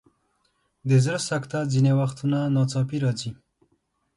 د زړه سکته ځینې وختونه ناڅاپي راځي.